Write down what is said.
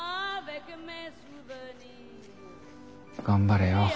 頑張れよ。